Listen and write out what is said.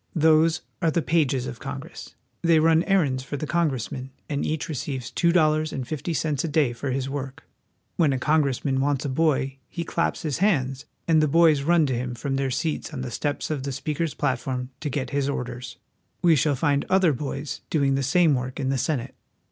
Those are the pages of Congress ; they run errands for the congressmen ; and each receives two dollars and fifty cents a day for his work. When a congressman wants a boy he claps his hands, and the boys run to him from their seats on the steps of the Speaker's platform to get his orders. We shall find other boys doing the same work in the Senate.